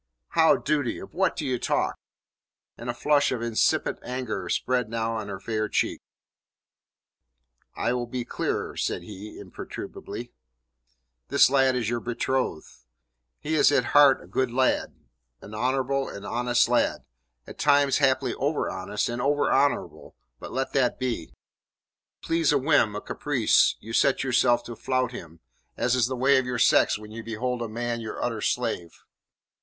"How duty? Of what do you talk?" And a flush of incipient anger spread now on her fair cheek. "I will be clearer," said he imperturbably. "This lad is your betrothed. He is at heart a good lad, an honourable and honest lad at times haply over honest and over honourable; but let that be. To please a whim, a caprice, you set yourself to flout him, as is the way of your sex when you behold a man your utter slave.